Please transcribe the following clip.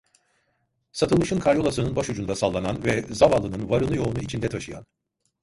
Satılmış'ın karyolasının başucunda sallanan ve zavallının varını yoğunu içinde taşıyan.